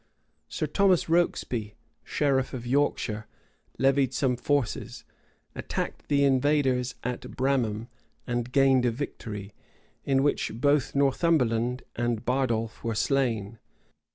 Sir Thomas Rokesby, sheriff of Yorkshire, levied some forces, attacked the invaders at Bramham, and gained a victory, in which both Northumberland and Bardolf were slain.